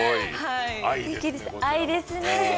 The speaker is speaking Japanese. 愛ですね。